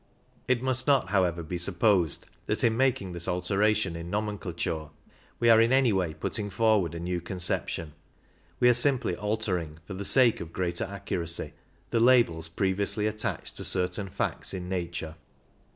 It must not 13 however be supposed that in making this alteration in nomenclature we are in any way putting forward a new conception ; we are simply altering, for the sake of greater accuracy, the labels previously attached to certain facts in nature.